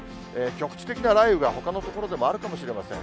局地的な雷雨が、ほかの所でもあるかもしれません。